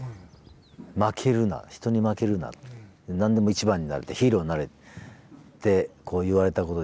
負けるな人に負けるな何でも一番になれヒーローになれって言われたことで。